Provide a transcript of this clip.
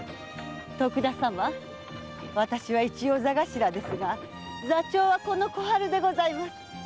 私は一応座頭ですが座長はこの小春でございます。